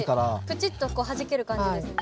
プチッとはじける感じですね。